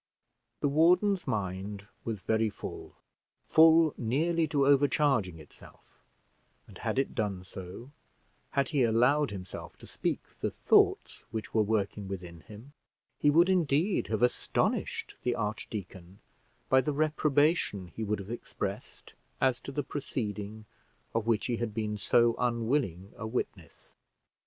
The warden's mind was very full, full nearly to overcharging itself; and had it done so, had he allowed himself to speak the thoughts which were working within him, he would indeed have astonished the archdeacon by the reprobation he would have expressed as to the proceeding of which he had been so unwilling a witness.